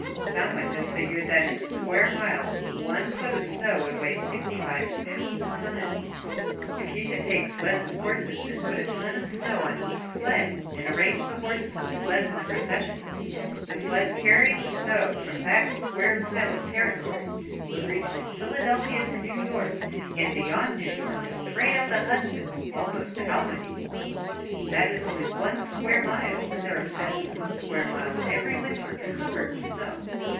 Some one has figured that in a square mile one foot of snow would weigh 65,000 tons. If you should take sleds and horses, and put a ton of snow on each sled, and arrange the horses and sleds in a procession, the sleds carrying the snow from that square mile of territory would reach from Philadelphia to New York, and beyond New York, straight up the Hudson, almost to Albany. That is only one square mile, and there are thousands of square miles every winter covered with snow.